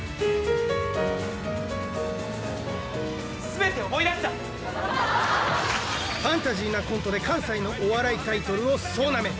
全て思い出したファンタジーなコントで関西のお笑いタイトルを総ナメ